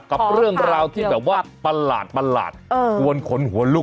กับเรื่องราวที่แบบว่าประหลาดชวนขนหัวลุก